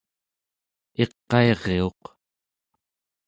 iqairiuq